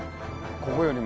ここよりも。